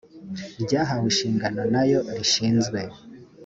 ryahawe inshingano nayo rishinzwe